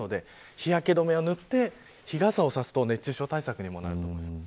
日焼け止めを塗って日傘を差すと熱中症対策にもなります。